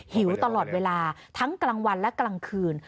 หิวตลอดเวลาทั้งกลางวันและกลางคืน